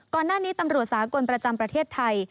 ก่อนหน้านี้ตำรวจสากลประจำประเทศไทย